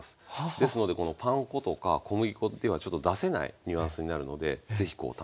ですのでこのパン粉とか小麦粉っていうのはちょっと出せないニュアンスになるので是非こう試して頂きたいと思います。